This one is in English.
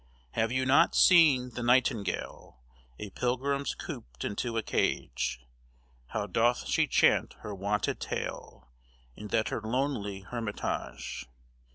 Have you not seen the nightingale, A pilgrim coop'd into a cage, How doth she chant her wonted tale, In that her lonely hermitage!